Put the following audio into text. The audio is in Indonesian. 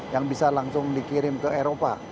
yang bisa langsung dikirim ke eropa